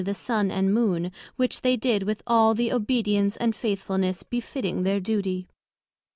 the Sun and Moon, which they did with all the obedience and faithfulness befitting their duty.